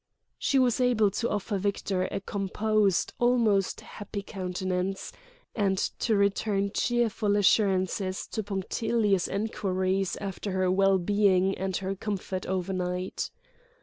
She was able to offer Victor a composed, almost a happy countenance, and to return cheerful assurances to punctilious enquiries after her well being and her comfort overnight.